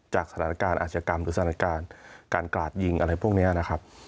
จากสถานการณ์อาชกรรมหรือสถานการณ์การกราดยิงอะไรพวกนี้นะครับ